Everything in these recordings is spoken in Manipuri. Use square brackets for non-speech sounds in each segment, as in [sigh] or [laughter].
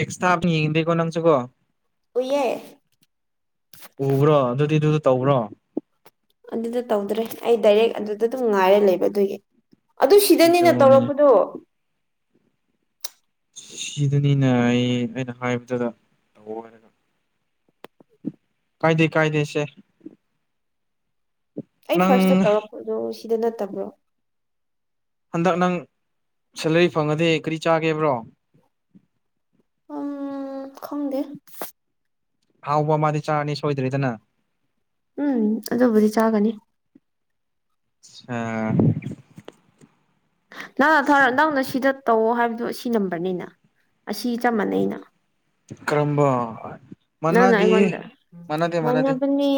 ꯑꯦꯛꯁ ꯊꯥ ꯌꯦꯡꯗꯦꯀꯣ ꯅꯪꯁꯨꯀꯣ ꯎꯏꯌꯦ ꯎꯕ꯭ꯔꯣ ꯑꯗꯨꯗꯤ ꯗꯨꯗ ꯇꯧꯕ꯭ꯔꯣ ꯑꯗꯨꯗ ꯇꯧꯗ꯭ꯔꯦ ꯑꯩ ꯗꯥꯏꯔꯦꯛ ꯑꯗꯨꯗ ꯑꯗꯨꯝ ꯉꯥꯏꯔ ꯂꯩꯕ ꯑꯗꯨꯒꯤ ꯑꯗꯨ ꯁꯤꯗꯅꯦꯅ ꯑꯗꯨꯅꯦ ꯇꯧꯔꯛꯄꯗꯣ ꯁꯤꯗꯅꯤꯅꯌꯦ ꯑꯩꯅ ꯍꯥꯏꯕꯗꯨꯗ ꯇꯧꯑꯣ ꯍꯥꯏꯔꯒ ꯀꯥꯏꯗꯦ ꯀꯥꯏꯗꯦ ꯁꯦ ꯑꯩ ꯐꯥꯔꯁꯇ ꯅꯪ ꯇꯧꯔꯛꯄꯗꯣ ꯁꯤꯗ ꯅꯠꯇꯕ꯭ꯔꯣ ꯍꯟꯗꯛ ꯅꯪ ꯁꯦꯂꯔꯤ ꯐꯪꯉꯗꯤ ꯀꯔꯤ ꯆꯥꯒꯦꯕ꯭ꯔꯣ ꯎꯝ ꯈꯪꯗꯦ ꯍꯥꯎꯕ ꯑꯃꯥꯗꯤ ꯆꯥꯔꯅꯤ ꯁꯣꯏꯗ꯭ꯔꯦꯗꯅ ꯎꯝ ꯑꯗꯨꯕꯨꯗꯤ ꯆꯥꯒꯅꯤ ꯑꯥ ꯅꯪꯅ ꯊꯥꯔ ꯅꯪꯅ ꯁꯤꯗ ꯇꯧꯑꯣ ꯍꯥꯏꯕꯗꯣ ꯑꯁꯤ ꯅꯝꯕꯔꯅꯤꯅ ꯑꯁꯤ ꯆꯞ ꯃꯥꯟꯅꯩꯩꯅ ꯀꯔꯝꯕ ꯅꯪꯅ ꯑꯩꯉꯣꯟꯗ ꯃꯅꯥꯗꯤ ꯃꯥꯟꯅꯗꯦ ꯃꯥꯟꯅꯗꯦ ꯃꯥꯅꯕꯅꯦ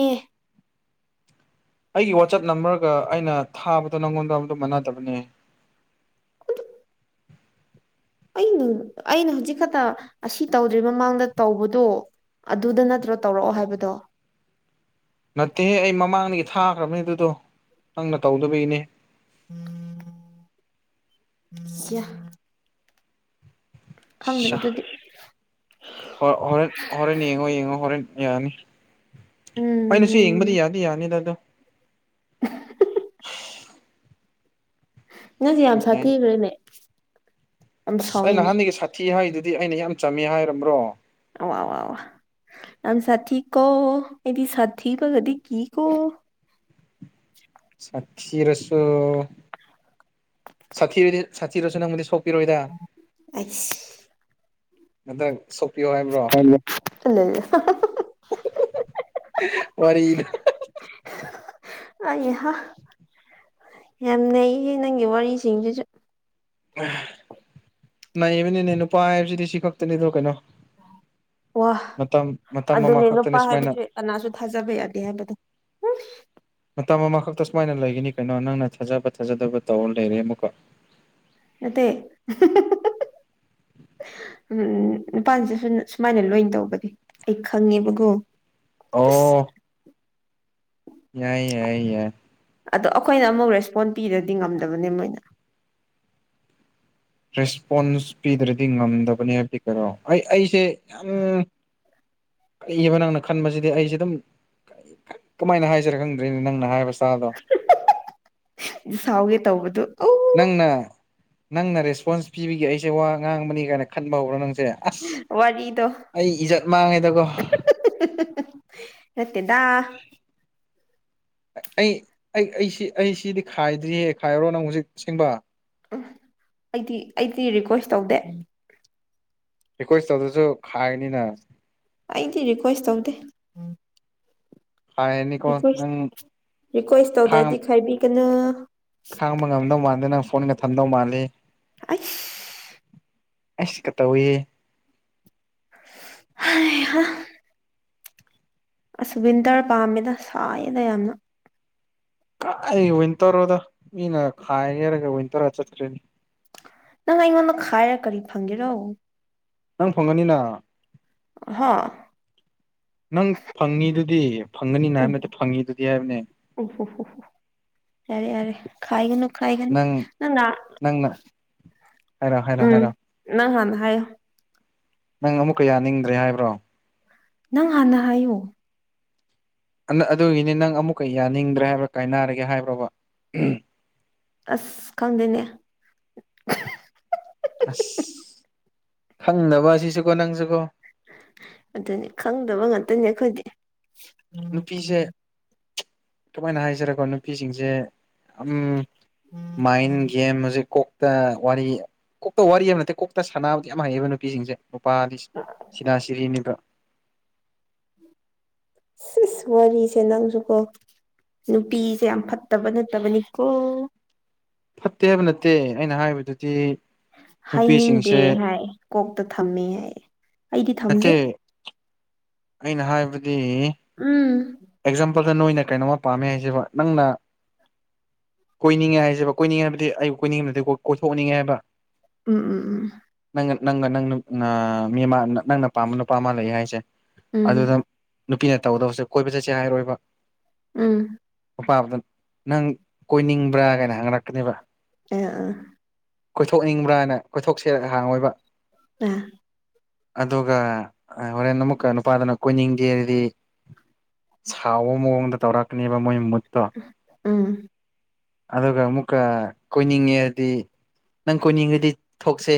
ꯑꯩꯒꯤ ꯋꯥꯆꯞ ꯅꯝꯕꯔꯒ ꯑꯩꯅ ꯊꯥꯕꯗꯣ ꯅꯪꯉꯣꯟꯗ ꯑꯗꯨ ꯃꯥꯟꯅꯗꯕꯅꯦ ꯑꯩꯕꯨ ꯑꯩꯅ ꯍꯧꯖꯤꯛ ꯈꯛꯇ ꯑꯁꯤ ꯇꯧꯗ꯭ꯔꯤ ꯃꯃꯥꯡꯗ ꯇꯧꯕꯗꯣ ꯑꯗꯨꯗ ꯅꯠꯇ꯭ꯔꯣ ꯇꯧꯔꯛꯑꯣ ꯍꯥꯏꯕꯗꯣ ꯅꯠꯇꯦꯍꯦ ꯑꯩ ꯃꯃꯥꯡꯗꯒꯤ ꯊꯥꯈ꯭ꯔꯕꯅꯦ ꯑꯗꯨꯗꯣ ꯅꯪꯅ ꯇꯧꯗꯕꯒꯤꯅꯦ [inaudible] ꯈꯪꯗ꯭ꯔꯦ ꯑꯗꯨꯗꯤ ꯍꯣ ꯍꯣꯔꯦꯟ ꯍꯣꯔꯦꯟ ꯌꯦꯡꯉꯣ ꯌꯦꯡꯉꯣ ꯍꯣꯔꯦꯟ ꯌꯥꯅꯤ ꯑꯩꯅꯁꯨ ꯎꯝ ꯌꯦꯡꯕꯗꯤ ꯌꯥꯗꯤ ꯌꯥꯅꯤꯗꯗꯨ [inaudible] ꯅꯪꯁꯦ ꯌꯥꯝ ꯎꯝ ꯌꯥꯏ ꯁꯥꯊꯤꯈ꯭ꯔꯦꯅꯦ ꯌꯥꯝ ꯑꯁ ꯑꯩ ꯁꯥꯎꯋꯤꯅꯦ ꯅꯍꯥꯟꯗꯒꯤ ꯁꯥꯊꯤ ꯍꯥꯏꯗꯨꯗꯤ ꯑꯩꯅ ꯌꯥꯝ ꯆꯝꯃꯦ ꯍꯥꯏꯔꯕ꯭ꯔꯣ [unintelligible] ꯌꯥꯝ ꯁꯥꯊꯤ ꯀꯣ ꯑꯩꯗꯤ ꯁꯥꯊꯤꯕꯒꯗꯤ ꯀꯤꯀꯣ ꯁꯥꯊꯤꯔꯁꯨ ꯁꯥꯊꯤꯔꯗꯤ ꯁꯥꯊꯤꯔꯁꯨ ꯅꯪꯕꯨꯗꯤ ꯁꯣꯛ ꯄꯤꯔꯣꯏꯗ ꯑꯗ ꯁꯣꯛꯄꯤꯌꯣ ꯍꯥꯏ [unintelligible] ꯋꯥꯔꯤꯗꯣ ꯑꯩ ꯍꯥ ꯌꯥꯝ ꯅꯩꯌꯦ ꯅꯪꯒꯤ ꯋꯥꯔꯤꯁꯤꯡꯁꯤꯁꯨ ꯅꯩꯕꯅꯤꯅꯦ ꯅꯨꯄꯥ ꯍꯥꯏꯕꯁꯤꯗꯤ ꯁꯤ ꯈꯛꯇꯅꯤꯗꯣ ꯀꯩꯅꯣ ꯋꯥ ꯃꯇꯝ ꯃꯇꯝ ꯑꯃ ꯑꯗꯨꯅꯦ ꯅꯨꯄꯥ ꯈꯛꯇꯅꯦ ꯁꯨꯃꯥꯏꯅ ꯍꯥꯏꯕꯁꯦ ꯀꯅꯥꯁꯨ ꯊꯥꯖꯕ ꯌꯥꯗꯦ ꯍꯥꯏꯕꯗꯣ ꯃꯇꯝ ꯑꯃꯈꯛꯇ ꯁꯨꯃꯥꯏꯅ ꯂꯩꯒꯅꯤ ꯀꯩꯅꯣ ꯅꯪꯅ ꯊꯥꯖꯕ ꯊꯥꯖꯗꯕ ꯇꯧꯔ ꯂꯩꯔꯦ ꯑꯃꯨꯛꯀ ꯅꯠꯇꯦ ꯎꯝ ꯅꯨꯄꯥꯥꯟꯁꯤꯁꯨ ꯁꯨꯃꯥꯏꯅ ꯂꯣꯏꯅ ꯇꯧꯕꯅꯤ ꯑꯩ ꯈꯪꯉꯦꯕꯀꯣ [unintelligible] ꯑꯣ ꯌꯥꯏ ꯌꯥꯏ ꯌꯥꯏ ꯑꯗꯣ ꯑꯈꯣꯏꯅ ꯑꯃꯨꯛ ꯔꯦꯁꯄꯣꯟ ꯄꯤꯔꯗꯤ ꯉꯝꯗꯕꯅꯦ ꯃꯣꯏꯅ ꯔꯦꯁꯄꯣꯟꯁ ꯄꯤꯗ꯭ꯔꯗꯤ ꯉꯝꯗꯕꯅꯦ ꯍꯥꯏꯕꯗꯤ ꯀꯩꯅꯣ ꯑꯩ ꯑꯩꯁꯦ ꯌꯥꯝ ꯀꯩꯕ ꯅꯪꯅ ꯈꯟꯕꯁꯤꯗꯤ ꯑꯩꯁꯦ ꯑꯗꯨꯝ ꯀꯃꯥꯏꯅ ꯍꯥꯏꯁꯤꯔꯥ ꯈꯪꯗ꯭ꯔꯦꯅꯦ ꯅꯪꯅ ꯍꯥꯏꯕ ꯁ꯭ꯇꯥꯏꯜꯗꯣ ꯁꯥꯎꯒꯦ ꯇꯧꯕꯗꯨ ꯅꯪꯅ ꯅꯪꯅ ꯔꯦꯁꯄꯣꯟꯁ ꯄꯤꯕꯤꯒꯤ ꯑꯩꯁꯦ ꯋꯥ ꯉꯥꯡꯕꯅꯤ ꯀꯥꯏꯅ ꯈꯟꯕ ꯍꯧꯕ꯭ꯔꯥ ꯅꯪꯁꯦ ꯑꯁ ꯋꯥꯔꯤꯗꯣ ꯑꯩ ꯏꯖꯠ ꯃꯥꯡꯉꯦꯗꯀꯣ ꯅꯠꯇꯦꯗꯥ ꯑꯩ ꯑꯩ ꯑꯩꯁꯤ ꯑꯩ ꯁꯤꯗꯤ ꯈꯥꯏꯗ꯭ꯔꯤꯍꯦ ꯈꯥꯏꯔꯣꯔꯣ ꯅꯪ ꯍꯧꯖꯤꯛ ꯑꯁꯦꯡꯕ ꯎꯝ ꯑꯩꯗꯤ ꯑꯩꯗꯤ ꯔꯤꯀ꯭ꯋꯦꯁ ꯇꯧꯗꯦ ꯔꯤꯀ꯭ꯋꯦꯁ ꯇꯧꯗꯁꯨ ꯈꯥꯏꯅꯤꯅ ꯑꯩꯗꯤ ꯔꯤꯀ꯭ꯋꯦꯁ ꯇꯧꯗꯦ ꯈꯥꯏꯔꯅꯤꯀꯣ ꯔꯤꯀ꯭ꯋꯦꯁ ꯅꯪ ꯔꯤꯀ꯭ꯋꯦꯁ ꯈꯥꯡ ꯇꯧꯗ꯭ꯔꯗꯤ ꯈꯥꯏꯕꯤꯒꯅꯣ ꯈꯥꯡꯕ ꯉꯝꯗꯧ ꯃꯥꯥꯟꯗꯦ ꯅꯪ ꯐꯣꯟꯒ ꯊꯝꯗꯧ ꯃꯥꯜꯂꯤ ꯑꯩꯁ ꯑꯩꯁ ꯀ ꯇꯧꯋꯤꯍꯦ ꯍꯩ ꯍꯥ ꯑꯁ ꯋꯤꯟꯇꯔ ꯄꯥꯝꯃꯦꯅ ꯁꯥꯏꯌꯦꯗ ꯌꯥꯝꯅ ꯀꯥꯏ ꯋꯤꯟꯇꯔꯅꯣꯗ ꯃꯤꯅ ꯈꯥꯏꯒꯦ ꯍꯥꯍꯔꯒ ꯋꯤꯟꯇꯔꯗ ꯆꯠꯇ꯭ꯔꯦꯗꯤ ꯅꯪ ꯑꯩꯉꯣꯟꯗ ꯈꯥꯏꯔꯒ ꯀꯔꯤ ꯐꯪꯒꯦꯔꯣ ꯅꯪ ꯐꯪꯉꯅꯤꯅ ꯍꯥ ꯅꯪ ꯐꯪꯉꯤꯗꯨꯗꯤ ꯐꯪꯒꯅꯤꯅ ꯎ ꯍꯥꯏꯕ ꯅꯠꯇꯦ ꯐꯪꯉꯤꯗꯨꯗꯤ ꯍꯥꯏꯕꯅꯦ ꯍꯨ ꯍꯨ ꯌꯥꯔꯦ ꯌꯥꯔꯦ ꯈꯥꯏꯒꯅꯨ ꯈꯥꯏꯒꯅꯨ ꯅꯪ ꯅꯪꯅ ꯅꯪꯅ ꯍꯥꯏꯔꯣ ꯍꯥꯏꯔꯣ ꯎꯝ ꯍꯥꯏꯔꯣ ꯅꯪ ꯍꯥꯟꯅ ꯍꯥꯏꯌꯣ ꯅꯪ ꯑꯃꯨꯛꯀ ꯌꯥꯅꯤꯡꯗ꯭ꯔꯦ ꯍꯥꯏꯕ꯭ꯔꯣ ꯅꯪ ꯍꯥꯟꯅ ꯍꯥꯏꯌꯨ ꯑꯗꯨꯒꯤꯅꯤ ꯅꯪ ꯑꯃꯨꯛꯀ ꯌꯥꯅꯤꯡꯗ꯭ꯔꯦ ꯍꯥꯏꯕ꯭ꯔꯥ ꯀꯥꯏꯅꯔꯒꯦ ꯍꯥꯏꯕ꯭ꯔꯣꯕ ꯑꯁ ꯈꯪꯗꯦꯅꯦ ꯑꯁ ꯈꯪꯅꯕ ꯑꯁꯤꯁꯨꯀꯣ ꯅꯪꯁꯨꯀꯣ ꯑꯗꯨꯅꯤ ꯈꯪꯗꯕ ꯉꯥꯛꯇꯅꯤ ꯑꯩꯈꯣꯏꯗꯤ ꯅꯨꯄꯤꯁꯦ ꯀꯃꯥꯏꯅ ꯍꯥꯏꯖꯔꯦꯀꯣ ꯅꯨꯄꯤꯁꯤꯡꯁꯦ ꯑꯝ ꯃꯥꯏꯟ ꯒꯦꯝ ꯍꯧꯖꯤꯛ ꯀꯣꯛ ꯀꯣꯛꯇ ꯋꯥꯔꯤ ꯀꯣꯛꯇ ꯋꯥꯔꯤ ꯍꯥꯏꯕ ꯅꯠꯇꯦ ꯀꯣꯛꯇ ꯁꯥꯟꯅꯕꯗꯤ ꯌꯥꯝ ꯍꯩꯑꯕ ꯅꯨꯄꯤꯁꯤꯡꯁꯦ ꯅꯨꯄꯥꯗꯤ ꯑꯥ ꯁꯤꯙꯥ ꯁꯤꯔꯤꯅꯦꯕ ꯁꯤꯁ ꯋꯥꯔꯤꯁꯦ ꯅꯪꯁꯨꯀꯣ ꯅꯨꯄꯤꯁꯦ ꯌꯥꯝ ꯐꯠꯇꯕ ꯅꯠꯇꯕꯅꯤꯀꯣ ꯐꯠꯇꯦ ꯍꯥꯏꯕ ꯅꯠꯇꯦ ꯑꯩꯅ ꯍꯥꯏꯕꯗꯨꯗꯤ ꯍꯥꯏꯅꯤꯡꯗꯦ ꯅꯨꯄꯤꯁꯤꯡꯁꯦ ꯍꯥꯏ ꯀꯣꯛꯇ ꯊꯝꯃꯦ ꯍꯥꯏꯌꯦ ꯑꯩꯗꯤ ꯅꯠꯇꯦ ꯊꯝꯗꯦ ꯑꯩꯅ ꯍꯥꯏꯕꯗꯤ ꯎꯝ ꯑꯦꯛꯖꯥꯝꯄꯜꯗ ꯅꯣꯏꯅ ꯀꯩꯅꯣꯝꯃ ꯄꯥꯝꯃꯦ ꯍꯥꯏꯁꯤꯕ ꯅꯪꯅ ꯀꯣꯏꯅꯤꯡꯉꯦ ꯍꯥꯏꯁꯦꯕ ꯀꯣꯏꯅꯤꯡꯉꯦ ꯍꯥꯏꯕꯗꯤ ꯑꯩ ꯀꯣꯏꯅꯤꯡꯉꯦ ꯍꯥꯏꯕ ꯅꯠꯇꯦꯀꯣ ꯀꯣꯏꯊꯣꯛꯅꯤꯡꯉꯦ ꯍꯥꯏꯕ ꯎꯝ ꯎꯝ ꯎꯝ ꯅꯪ ꯅꯪꯒ ꯅꯪ ꯃꯤ ꯑꯃ ꯅꯪꯅ ꯄꯥꯝꯕ ꯅꯨꯄꯥ ꯑꯃ ꯂꯩ ꯍꯥꯏꯁꯦ ꯎꯝ ꯑꯗꯨꯗ ꯅꯨꯄꯤꯅ ꯇꯧꯒꯗꯕꯁꯦ ꯀꯣꯏꯕ ꯆꯠꯁꯦ ꯍꯥꯏꯔꯣꯏꯕ ꯎꯝ ꯃꯄꯥꯝꯕꯗꯨ ꯅꯪ ꯀꯣꯏꯅꯤꯡꯕ꯭ꯔꯥ ꯀꯥꯏꯅ ꯍꯪꯒꯠꯂꯛꯀꯅꯤꯕ ꯑꯦ ꯑꯥ ꯀꯣꯏꯊꯣꯛꯅꯤꯡꯕ꯭ꯔꯅ ꯀꯣꯏꯊꯣꯛꯁꯤꯔꯥ ꯍꯥꯡꯉꯣꯏꯕ ꯑꯝ ꯑꯗꯨꯒ ꯍꯣꯔꯦꯟ ꯑꯃꯨꯛꯀ ꯅꯨꯄꯥꯗꯨꯅ ꯀꯣꯏꯅꯤꯡꯗꯦ ꯍꯥꯏꯔꯗꯤ ꯁꯥꯎꯕ ꯃꯑꯣꯡꯗ ꯇꯧꯔꯛꯀꯅꯦꯕ ꯃꯣꯏ ꯃꯨꯠ ꯎꯝ ꯑꯗꯨꯒ ꯑꯃꯨꯛꯀ ꯀꯣꯏꯅꯤꯡꯉꯦ ꯍꯥꯢꯔꯗꯤ ꯅꯪ ꯀꯣꯏꯅꯤꯡꯉꯗꯤ ꯊꯣꯛꯁꯦ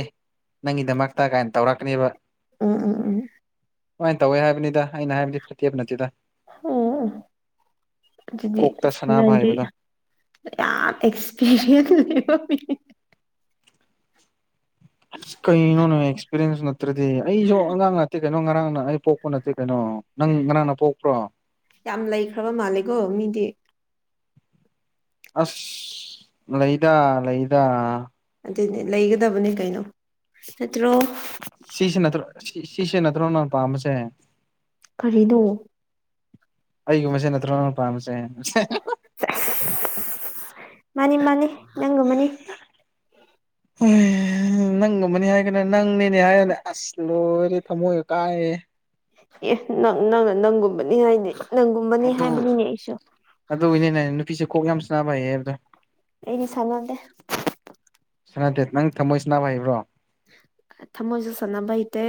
ꯅꯪꯒꯤꯗꯃꯛꯇ ꯀꯥꯏꯅ ꯇꯧꯔꯛꯀꯅꯤꯕ ꯎꯝ ꯎꯝ ꯎꯝ ꯑꯗꯨꯃꯥꯏꯅ ꯇꯧꯋꯦ ꯍꯥꯏꯕꯅꯤꯗ ꯑꯩꯅ ꯍꯥꯏꯕꯗꯤ ꯐꯠꯇꯦ ꯍꯥꯢꯕ ꯅꯠꯇꯦꯗ ꯑꯣ ꯑꯣ ꯑꯗꯨꯗꯤ ꯀꯣꯛꯇ ꯁꯅꯥꯕ ꯅꯪꯗꯤ ꯍꯥꯏꯕꯗꯣ ꯌꯥꯝ ꯑꯦꯛꯁꯄꯤꯔꯤꯌꯦꯟꯁ ꯂꯩꯕ ꯃꯤꯅꯤ ꯑꯁ ꯀꯩꯅꯣꯅꯦ ꯑꯦꯛꯁꯄꯤꯔꯤꯟꯁ ꯅꯠꯇ꯭ꯔꯗꯤ ꯑꯩꯁꯨ ꯑꯉꯥꯡ ꯅꯠꯇꯦ ꯀꯩꯅꯣ ꯉꯔꯥꯡꯅ ꯑꯩ ꯄꯣꯛ ꯄ ꯅꯠꯇꯦ ꯀꯩꯅꯣ ꯅꯪ ꯉꯔꯥꯡꯅ ꯄꯣꯛꯄ꯭ꯔꯣ ꯌꯥꯝ ꯂꯩꯈ꯭ꯔꯕ ꯃꯥꯜꯂꯦꯀꯣ ꯃꯤꯗꯤ ꯑꯁ ꯂꯩꯗꯥ ꯂꯩꯗꯥ ꯑꯗꯨꯅꯦ ꯂꯩꯒꯗꯕꯅꯤ ꯀꯩꯅꯣ ꯅꯠꯇ꯭ꯔꯣ ꯁꯤꯁꯤ ꯅꯠꯇ꯭ꯔꯣ ꯁꯤꯁꯤ ꯅꯠꯇ꯭ꯔꯣ ꯅꯪꯅ ꯄꯥꯝꯃꯤꯁꯦ ꯀꯔꯤꯅꯣ ꯑꯩꯒꯨꯝꯕꯁꯦ ꯅꯠꯇ꯭ꯔꯣ ꯅꯪꯅ ꯄꯥꯝꯃꯤꯁꯦ ꯁꯦꯂ ꯃꯥꯅꯤ ꯃꯥꯅꯤ ꯅꯪꯒꯨꯝꯕꯅꯤ ꯃꯥꯅꯤ ꯑꯝ ꯎꯝ ꯅꯪꯒꯨꯝꯕꯅꯤ ꯍꯥꯏꯒꯅꯨꯅꯦ ꯅꯪꯅꯤꯅꯦ ꯍꯥꯏꯌꯨꯅꯦ ꯑꯁ ꯂꯣꯏꯔꯦꯍꯦ ꯊꯝꯃꯣꯏꯒ ꯀꯥꯢꯍꯦ ꯑꯦ ꯅꯪ ꯅꯪꯅ ꯅꯪꯒꯨꯝꯕꯅꯤ ꯍꯥꯏꯅꯤ ꯅꯪꯒꯨꯝꯕꯅꯤ ꯑꯗꯨ ꯍꯥꯏꯕꯅꯤꯅꯦ ꯑꯩꯁꯨ ꯑꯗꯨꯒꯤꯅꯤꯅꯦ ꯅꯨꯄꯤꯁꯦ ꯀꯣꯛ ꯌꯥꯝ ꯁꯥꯟꯅꯕ ꯍꯩꯌꯦ ꯍꯥꯏꯕꯗꯣ ꯑꯩꯗꯤ ꯁꯥꯟꯅꯗꯦ ꯁꯥꯟꯅꯗꯦ ꯅꯪ ꯊꯝꯃꯣꯏ ꯁꯥꯟꯅꯕ ꯍꯩꯕ꯭ꯔꯣ ꯊꯃꯣꯏꯁꯨ ꯁꯥꯟꯅꯕ ꯍꯟꯇꯦ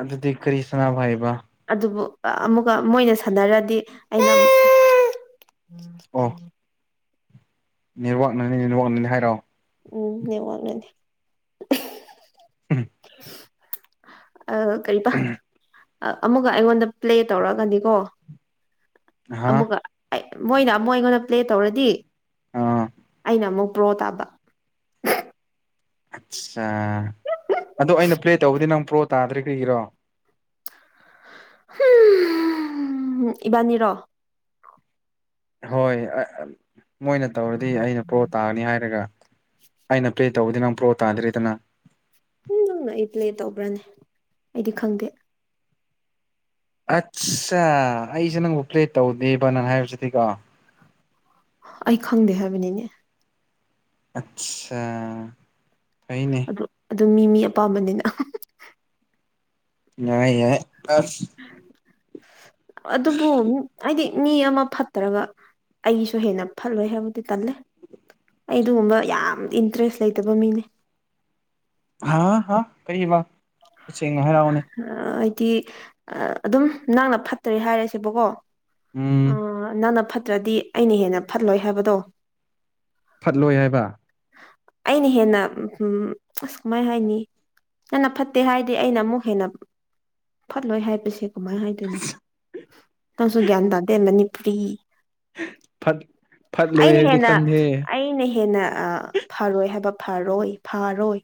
ꯑꯗꯨꯗꯤ ꯀꯔꯤ ꯁꯅꯥꯕ ꯍꯩꯕ ꯑꯗꯨꯕꯨ ꯑꯃꯨꯛꯀ ꯃꯣꯏꯅ ꯁꯥꯟꯅꯔꯗꯤ ꯑꯩꯅ ꯑꯣ ꯅꯦꯠꯋꯥꯛꯅꯅꯤ ꯅꯦꯠꯋꯥꯛꯅꯅꯤ ꯍꯥꯏꯔꯛꯑꯣ ꯎꯝ ꯅꯦꯠꯋꯥꯛꯅꯅꯦ ꯑꯝ ꯀꯔꯤꯕ ꯑꯃꯨꯛꯒ ꯑꯩꯉꯣꯟꯗ ꯄ꯭ꯂꯦ ꯇꯧꯔꯛꯑꯀꯗꯤꯒꯣ ꯍꯥ ꯑꯃꯨꯛꯀ ꯃꯣꯏꯅ ꯑꯃꯨꯛ ꯑꯩꯉꯣꯟꯗ ꯄ꯭ꯂꯦ ꯇꯧꯔꯗꯤ ꯑꯥ ꯑꯩꯅ ꯑꯃꯨꯛ ꯄ꯭ꯔꯣ ꯇꯥꯕ ꯑꯠꯆꯥ ꯑꯗꯣ ꯑꯩꯅ ꯄ꯭ꯂꯦ ꯇꯧꯕꯗꯤ ꯅꯪ ꯄ꯭ꯔꯣ ꯇꯥꯗ꯭ꯔꯤ ꯀꯔꯤꯒꯤꯔꯣ ꯏꯕꯥꯅꯤ ꯔꯣ ꯍꯣꯏ ꯃꯣꯏꯅ ꯇꯧꯔꯗꯤ ꯑꯩꯅ ꯄ꯭ꯔꯣ ꯇꯥꯒꯅꯤ ꯍꯥꯏꯔꯒ ꯑꯩꯅ ꯄ꯭ꯂꯦ ꯇꯧꯕꯗꯤ ꯅꯪ ꯄ꯭ꯔꯣ ꯇꯥꯗ꯭ꯔꯦꯗꯅ ꯑꯦ ꯅꯪꯅ ꯑꯩ ꯄ꯭ꯂꯦ ꯇꯧꯕ꯭ꯔꯅꯦ ꯑꯩꯗꯤ ꯈꯪꯗꯦ ꯑꯠꯁꯥ ꯑꯩꯁꯦ ꯅꯪꯕꯨ ꯄ꯭ꯂꯦꯠ ꯇꯧꯗꯦꯕ ꯅꯪ ꯍꯥꯏꯕꯁꯤꯗꯤꯀꯣ ꯑꯩ ꯈꯪꯗꯦ ꯍꯥꯏꯕꯅꯤꯅꯦ ꯑꯆꯥ ꯑꯨ ꯑꯗꯨ ꯃꯤ ꯃꯤ ꯑꯄꯥꯝꯕꯅꯤꯅ ꯌꯥꯏ ꯌꯥꯏ ꯑꯁ ꯑꯗꯨꯕꯨ ꯍꯥꯏꯗꯤ ꯃꯤ ꯑꯃ ꯐꯠ ꯅꯠꯇ꯭ꯔꯒ ꯑꯩꯒꯤꯁꯨ ꯍꯦꯟꯅ ꯐꯠꯂꯣꯏ ꯍꯥꯏꯕꯗꯤ ꯇꯜꯂꯦ ꯑꯩ ꯑꯗꯨꯒꯨꯝꯕ ꯌꯥꯝ ꯏꯟꯇ꯭ꯔꯦꯁ ꯂꯩꯇꯕ ꯃꯤꯅꯦ ꯍꯥ ꯍꯥ ꯀꯔꯤꯕ ꯇꯁꯦꯡꯅ ꯍꯥꯏꯔꯧꯅꯦ ꯍꯥꯏꯗꯤ ꯑꯗꯨꯝ ꯅꯪꯅ ꯐꯠꯇ꯭ꯔꯦ ꯍꯥꯏꯔꯁꯦꯕꯀꯣ ꯑ ꯎꯝ ꯅꯪꯅ ꯐꯠꯇ꯭ꯔꯗꯤ ꯑꯩꯅ ꯍꯦꯟꯅ ꯐꯠꯂꯣꯏ ꯍꯥꯏꯕꯗꯣ ꯐꯠꯂꯣꯏ ꯍꯥꯏꯕ ꯑꯩꯅ ꯍꯦꯟꯅ ꯎꯝ ꯑꯁ ꯀꯃꯥꯏ ꯍꯥꯏꯅꯤ ꯅꯪꯅ ꯐꯠ ꯐꯠꯇꯦ ꯍꯥꯏꯗꯤ ꯑꯩꯅ ꯑꯃꯨꯛ ꯍꯦꯟꯅ ꯐꯠꯂꯣꯏ ꯍꯥꯏꯕꯁꯦ ꯀꯃꯥꯏꯟ ꯍꯥꯏꯗꯣꯏꯅꯣ ꯅꯪꯁꯨ ꯒ꯭ꯌꯥꯟ ꯇꯥꯗꯦ ꯃꯅꯤꯄꯨꯔꯤ ꯐꯠ ꯐꯠꯂꯣꯏ ꯑꯩꯅ ꯍꯥꯏꯕꯗꯤ ꯍꯦꯟꯅ ꯈꯪꯗꯦ ꯑꯩꯅ ꯍꯦꯟꯅ ꯐꯔꯣꯏ ꯍꯥꯏꯕ ꯐꯔꯣꯏ ꯐꯔꯣꯏ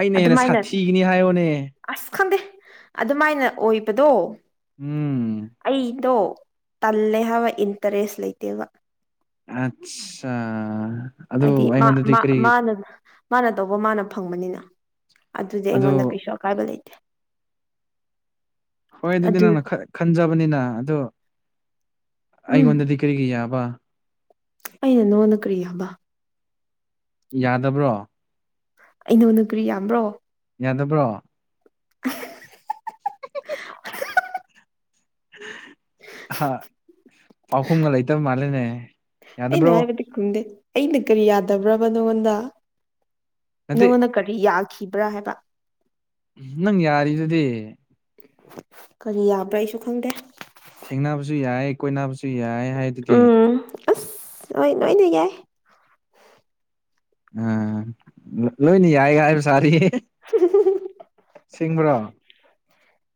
ꯑꯩꯅ ꯍꯦꯟꯅ ꯑꯗꯨꯃꯥꯏꯅ ꯁꯥꯊꯤꯒꯅꯤ ꯍꯥꯏꯌꯣꯅꯦ ꯑꯁ ꯈꯪꯗꯦ ꯑꯗꯨꯃꯥꯏꯅ ꯑꯣꯏꯕꯗꯣ ꯎꯝ ꯑꯩꯗꯣ ꯇꯜꯂꯦ ꯍꯥꯏꯕ ꯏꯟꯇꯔꯦꯁ ꯂꯩꯇꯦꯕ ꯑꯆꯥ ꯍꯥꯏꯗꯤ ꯃꯥ ꯃꯥ ꯃꯥꯅ ꯃꯥꯅ ꯇꯧꯕ ꯃꯥꯅ ꯐꯪꯕꯅꯤꯅ ꯑꯗꯨꯗꯤ ꯑꯗꯨ ꯑꯩꯉꯣꯟꯗ ꯀꯩꯁꯨ ꯑꯀꯥꯏꯕ ꯂꯩꯇꯦ ꯍꯣꯏ ꯑꯗꯨꯗꯤ ꯑꯗꯨ ꯅꯪꯅ ꯈꯟꯖꯕꯅꯤꯅ ꯑꯗꯣ ꯎꯝ ꯑꯩꯉꯣꯟꯗꯗꯤ ꯀꯔꯤꯒꯤ ꯌꯥꯕ ꯑꯩꯅ ꯅꯉꯣꯟꯗ ꯀꯔꯤ ꯌꯥꯕ ꯌꯥꯗꯕ꯭ꯔꯣ ꯑꯩꯩ ꯅꯉꯣꯟꯗ ꯀ꯭ꯔꯤ ꯌꯥꯝꯕ꯭ꯔꯣ ꯌꯥꯗꯕ꯭ꯔꯣ [unintelligible] ꯄꯥꯎꯈꯨꯝꯒ ꯂꯩꯇꯕ ꯃꯥꯜꯂꯦꯅꯦ ꯑꯩꯅ ꯌꯥꯗꯕ꯭ꯔꯣ ꯍꯥꯏꯕꯗꯤ ꯈꯨꯝꯗꯦ ꯑꯩꯅ ꯀꯔꯤ ꯌꯥꯗꯕ꯭ꯔꯕ ꯅꯪꯉꯣꯟꯗ ꯅꯠꯇꯦ ꯅꯪꯉꯣꯟꯅ ꯀꯔꯤ ꯌꯥꯈꯤꯕ꯭ꯔꯥ ꯍꯥꯏꯕ ꯅꯪ ꯌꯥꯔꯤꯗꯨꯗꯤ ꯀꯔꯤ ꯌꯥꯕ꯭ꯔꯥ ꯑꯩꯁꯨ ꯈꯪꯗꯦ ꯊꯦꯡꯅꯕꯁꯨ ꯌꯥꯏ ꯀꯣꯏꯅꯕꯁꯨ ꯌꯥꯏ ꯍꯥꯏꯗꯨꯗꯤ ꯎꯝ ꯑꯁ ꯍꯣꯏ ꯅꯣꯏꯅ ꯌꯥꯏ ꯑꯥ ꯂꯣꯏꯅ ꯌꯥꯏꯒ ꯍꯥꯏꯕ ꯁꯥꯥꯔꯤ ꯁꯤꯡꯕ꯭ꯔꯣ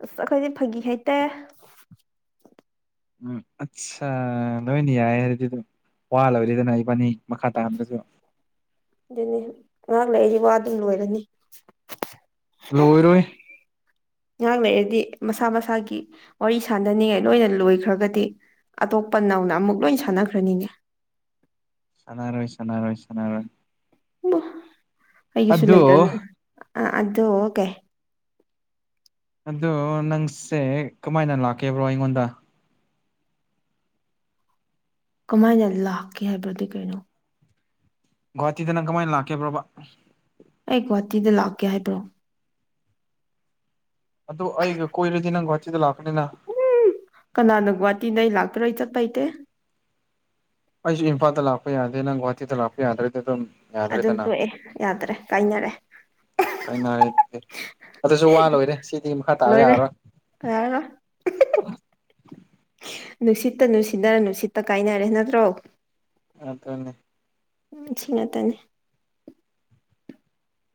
ꯑꯁ ꯑꯩꯈꯣꯏꯗꯤ ꯐꯥꯒꯤ ꯍꯩꯇꯦ ꯎꯝ ꯑꯆꯁꯥ ꯂꯣꯏꯅ ꯌꯥꯏ ꯍꯥꯏꯔꯗꯤ ꯋꯥ ꯂꯣꯏꯔꯦꯗꯅ ꯏꯕꯥꯅꯤ ꯃꯈꯥ ꯇꯥꯍꯟꯗ꯭ꯔꯁꯨ ꯑꯗꯨꯅꯤ ꯉꯥꯏꯍꯥꯛ ꯂꯩꯔꯗꯤ ꯋꯥ ꯗꯨꯝ ꯂꯣꯏꯔꯅꯤ ꯂꯣꯏꯔꯣꯏ ꯉꯍꯥꯛ ꯂꯩꯔꯗꯤ ꯃꯁꯥ ꯃꯁꯥꯒꯤ ꯋꯥꯔꯤ ꯁꯥꯟꯅꯅꯤꯡꯉꯥꯏ ꯂꯣꯏꯅ ꯂꯣꯏꯈ꯭ꯔꯒꯗꯤ ꯑꯇꯣꯞꯄ ꯅꯧꯅ ꯑꯃꯨꯛ ꯂꯣꯏ ꯁꯥꯟꯅꯈ꯭ꯔꯅꯤꯅꯦ ꯁꯅꯥꯔꯣꯏ ꯁꯅꯥꯔꯣꯏ ꯁꯅꯥꯔꯣꯏ ꯃꯥ ꯑꯩꯒꯤꯁꯨ ꯑꯗꯨ ꯂꯩꯗꯝꯅꯤ ꯑ ꯑꯗꯣꯀꯦ ꯑꯗꯣ ꯅꯪꯁꯦ ꯀꯃꯥꯏꯅ ꯂꯥꯛꯀꯦꯕ꯭ꯔꯣ ꯑꯩꯉꯣꯟꯗ ꯀꯃꯥꯏꯅ ꯂꯥꯛꯀꯦ ꯍꯥꯏꯕꯗꯤ ꯀꯩꯅꯣ ꯒꯣꯍꯥꯇꯤꯗ ꯅꯪ ꯀꯃꯥꯏ ꯂꯥꯛꯀꯦꯕ꯭ꯔꯣꯕ ꯑꯩ ꯒꯨꯍꯥꯇꯤꯗ ꯂꯥꯛꯀꯦ ꯍꯥꯏꯕ꯭ꯔꯣ ꯑꯗꯨ ꯑꯩꯒ ꯀꯣꯏꯔꯗꯤ ꯅꯪ ꯒꯨꯍꯥꯇꯤꯗ ꯂꯥꯛꯀꯅꯤꯅ ꯀꯅꯥꯅ ꯒꯨꯍꯥꯇꯤꯗ ꯑꯩ ꯂꯥꯛꯇꯣꯔꯥ ꯑꯩ ꯆꯠꯄ ꯍꯩꯇꯦ ꯑꯩꯁꯨ ꯏꯝꯐꯥꯜꯗ ꯂꯥꯛꯄ ꯌꯥꯗꯦ ꯅꯪ ꯒꯨꯍꯥꯇꯤꯗ ꯂꯥꯛꯄ ꯌꯥꯗ꯭ꯔꯦꯗꯤ ꯑꯗꯨꯝ ꯑꯗꯨꯝ ꯌꯥꯗ꯭ꯔꯦꯗꯅ ꯇꯣꯛꯑꯦ ꯌꯥꯗ꯭ꯔꯦ ꯀꯥꯏꯅꯔꯦ ꯀꯥꯏꯅꯔꯦ ꯗꯨꯗꯤ ꯑꯗꯨꯁꯨ ꯋꯥ ꯂꯣꯏꯔꯦ ꯁꯤꯗꯤ ꯃꯈꯥ ꯇꯥꯕ ꯂꯣꯏꯔꯦ ꯌꯥꯔꯔꯣꯏ ꯌꯥꯔꯔꯣꯏ ꯅꯨꯡꯁꯤꯠꯇ ꯅꯨꯡꯁꯤꯗꯔ ꯅꯨꯡꯁꯤꯠꯇ ꯀꯥꯏꯅꯔꯦ ꯅꯠꯇ꯭ꯔꯣ ꯑꯗꯨꯅꯦ ꯎꯝ ꯁꯤ ꯉꯥꯇꯅꯤ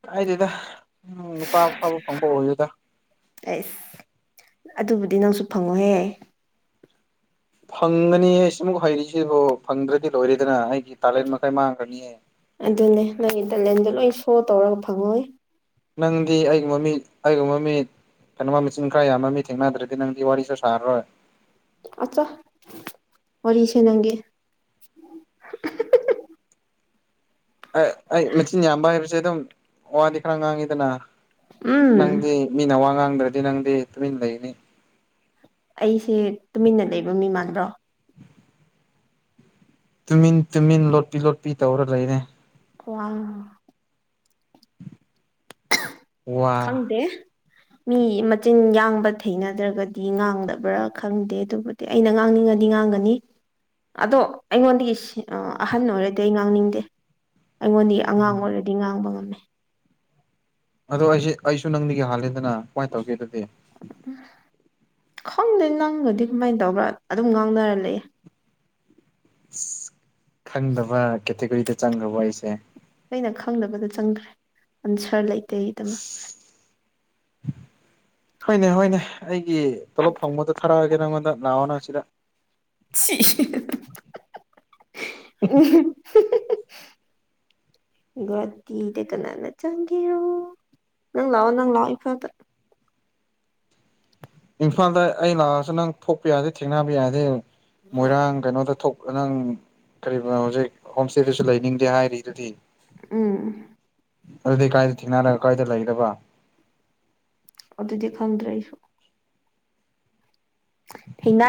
ꯀꯥꯏꯗꯦꯗꯥ ꯎꯝ ꯅꯨꯄꯥ ꯑꯐꯕ ꯐꯪꯕ ꯑꯣꯏꯌꯨꯗꯥ ꯑꯩꯁ ꯑꯗꯨꯕꯨꯗꯤ ꯅꯪꯁꯨ ꯐꯪꯉꯣꯍꯦ ꯐꯪꯒꯅꯤ ꯑꯩ ꯑꯃꯨꯛ ꯍꯩꯔꯤꯁꯤꯕꯨ ꯐꯪꯗ꯭ꯔꯗꯤ ꯂꯣꯏꯔꯦꯗꯅ ꯑꯩꯒꯤ ꯇꯥꯂꯦꯟ ꯃꯈꯩ ꯃꯥꯡꯈ꯭ꯔꯅꯤꯌꯦ ꯑꯗꯨꯅꯦ ꯅꯪꯒꯤ ꯇꯦꯂꯦꯟꯗ ꯂꯣꯏ ꯁꯣ ꯇꯧꯔꯒ ꯐꯪꯉꯣꯏ ꯅꯪꯗꯤ ꯑꯩꯒꯤ ꯃꯃꯤꯠ ꯑꯩꯒ ꯃꯃꯤꯠ ꯇꯦꯅꯋꯥ ꯃꯆꯤꯟ ꯈꯔ ꯌꯥꯝꯕ ꯃꯤ ꯊꯦꯡꯅꯗ꯭ꯔꯗꯤ ꯅꯪꯗꯤ ꯋꯥꯔꯤꯁꯨ ꯁꯥꯔꯣꯏ ꯑꯠꯆꯥ ꯋꯥꯔꯤꯁꯦ ꯅꯪꯒꯤ [unintelligible] ꯑꯩ ꯑꯩ ꯃꯆꯤꯟ ꯌꯥꯝꯕ ꯍꯥꯏꯕꯁꯦ ꯑꯗꯨꯝ ꯋꯥꯗꯤ ꯈꯔ ꯉꯥꯡꯉꯤꯗꯅꯥ ꯎꯝ ꯅꯪꯗꯤ ꯃꯤꯅ ꯋꯥ ꯉꯥꯡꯗ꯭ꯔꯗꯤ ꯅꯪꯗꯤ ꯇꯨꯃꯤꯟ ꯂꯩꯅꯤ ꯑꯩꯁꯦ ꯇꯨꯃꯤꯟꯅ ꯂꯩꯕ ꯃꯤ ꯃꯥꯟꯕ꯭ꯔꯣ ꯇꯨꯃꯤꯟ ꯇꯨꯃꯤꯟ ꯂꯣꯠꯄꯤ ꯂꯣꯠꯄꯤ ꯇꯧꯔ ꯂꯩꯔꯦ [unintelligible] ꯋꯥ ꯈꯪꯗꯦ ꯃꯤ ꯃꯆꯤꯟ ꯌꯥꯡꯕ ꯊꯩꯅꯗ꯭ꯔꯒꯗꯤ ꯉꯥꯡꯗꯕ꯭ꯔꯥ ꯈꯪꯗꯦ ꯑꯗꯨꯕꯨ ꯑꯩꯅ ꯉꯥꯡꯅꯤꯡꯉꯗꯤ ꯉꯥꯡꯒꯅꯤ ꯑꯗꯣ ꯑꯩꯉꯣꯟꯗꯒꯤ ꯑꯥ ꯑꯍꯟ ꯑꯣꯏꯔꯗꯤ ꯑꯩ ꯉꯥꯡꯅꯤꯡꯗꯦ ꯑꯩꯉꯣꯟꯗꯩ ꯑꯉꯥꯡ ꯎꯝ ꯑꯣꯏꯔꯗꯤ ꯉꯥꯡꯕ ꯉꯝꯃꯤ ꯑꯗꯣ ꯑꯩꯁꯦ ꯑꯩꯁꯨ ꯅꯪꯗꯤꯒꯤ ꯌꯥꯍꯜꯂꯦꯗꯅꯥ ꯀꯃꯥꯏ ꯇꯧꯒꯦ ꯑꯗꯨꯗꯤ ꯎꯝ ꯈꯪꯗꯦ ꯅꯪꯒꯗꯤ ꯀꯃꯥꯏꯟ ꯇꯧꯕ꯭ꯔꯥ ꯑꯗꯨꯝ ꯉꯥꯡꯅꯔ ꯂꯩ ꯈꯪꯗꯕ ꯀꯦꯇꯦꯒꯣꯔꯤꯗ ꯆꯪꯈ꯭ꯔꯕ ꯑꯩꯁꯦ ꯑꯩꯅ ꯈꯪꯗꯕꯗ ꯆꯪꯒ꯭ꯔꯦ ꯑꯟꯁꯔ ꯂꯩꯇꯦꯗꯃꯛ ꯍꯣꯏꯅꯦ ꯍꯣꯏꯅꯦ ꯑꯩꯒꯤ ꯇꯣꯂꯣꯞ ꯐꯪꯕꯗꯣ ꯊꯥꯔꯛꯑꯒꯦ ꯅꯪꯉꯣꯟꯗ ꯂꯥꯛꯑꯣ ꯅꯪ ꯁꯤꯗ [unintelligible] [unintelligible] ꯀꯅꯥꯅ ꯆꯪꯒꯔꯣ ꯅꯪ ꯂꯥꯛꯑꯣ ꯅꯪ ꯂꯛꯑꯣ ꯏꯝꯐꯥꯜꯇ ꯏꯝꯐꯥꯜꯗ ꯑꯩ ꯂꯥꯛꯑꯁꯨ ꯅꯪ ꯊꯣꯛꯄ ꯌꯥꯗꯦ ꯊꯦꯡꯅꯕ ꯌꯥꯗꯦ ꯃꯣꯏꯔꯥꯡ ꯀꯩꯅꯣꯗ ꯊꯣꯛ ꯅꯪ ꯀꯔꯤꯕꯥ ꯍꯧꯖꯤꯛ ꯍꯣꯝꯁꯇꯦꯗꯁꯨ ꯂꯩꯅꯤꯡꯗꯦ ꯍꯥꯏꯔꯤꯗꯨꯗꯤ ꯎꯝ ꯑꯗꯨꯗꯤ ꯀꯥꯏꯗ ꯊꯦꯡꯅꯔꯒ ꯀꯥꯏꯗ ꯂꯩꯒꯗꯕ ꯑꯗꯨꯗꯤ ꯈꯪꯗ꯭ꯔ ꯑꯩꯁꯨ ꯍꯩꯅ